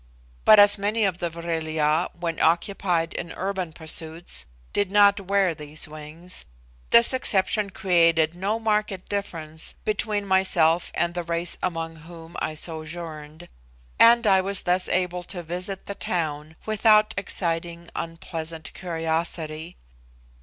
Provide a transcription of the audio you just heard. But as many of the Vril ya, when occupied in urban pursuits, did not wear these wings, this exception created no marked difference between myself and the race among whom I sojourned, and I was thus enabled to visit the town without exciting unpleasant curiosity.